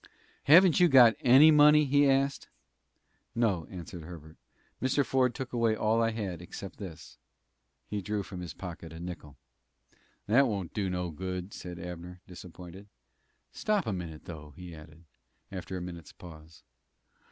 "Haven't you got any money?" he asked. "No," answered Herbert. "Mr. Ford took away all I had, except this." He drew from his pocket a nickel. "That won't do no good," said Abner, disappointed. "Stop a minute, though," he added, after a minute's pause.